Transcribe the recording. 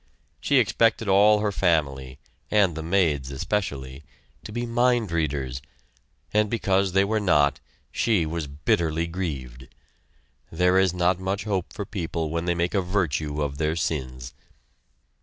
She expected all her family, and the maids especially, to be mind readers, and because they were not she was bitterly grieved. There is not much hope for people when they make a virtue of their sins.